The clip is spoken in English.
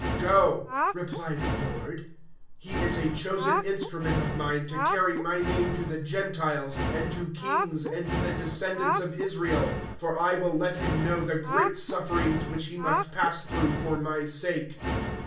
009:015 "Go," replied the Lord; "he is a chosen instrument of Mine to carry My name to the Gentiles and to kings and to the descendants of Israel. 009:016 For I will let him know the great sufferings which he must pass through for My sake."